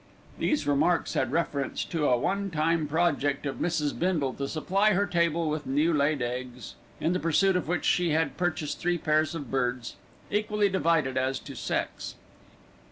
These remarks had reference to a one time project of Mrs. Bindle to supply her table with new laid eggs, in the pursuit of which she had purchased three pairs of birds, equally divided as to sex.